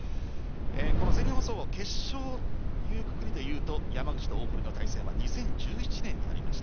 この全日本総合決勝というくくりでいうと山口と大堀の対戦は２０１７年になりました。